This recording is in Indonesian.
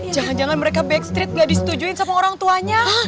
jangan jangan mereka backstreet gak disetujuin sama orang tuanya